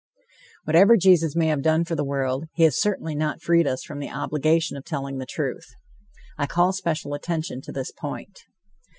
Whatever Jesus may have done for the world, he has certainly not freed us from the obligation of telling the truth. I call special attention to this point.